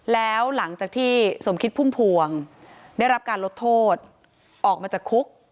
แล้วหลังจากที่สมคิดพุ่มพวงได้รับการลดโทษออกมาจากคุก